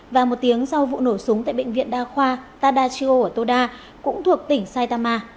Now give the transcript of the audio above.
và một tiếng sau vụ nổ súng tại bệnh viện đa khoa tadachio ở toda cũng thuộc tỉnh saitama